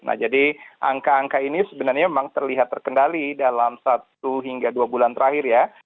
nah jadi angka angka ini sebenarnya memang terlihat terkendali dalam satu hingga dua bulan terakhir ya